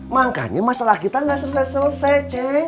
makanya masalah kita nggak selesai selesai ceng